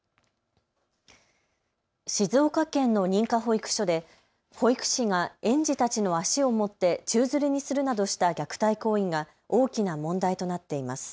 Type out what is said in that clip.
静岡県の認可保育所で保育士が園児たちの足を持って宙づりにするなどした虐待行為が大きな問題となっています。